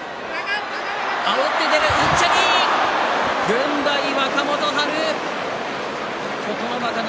軍配は若元春。